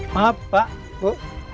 maaf pak bu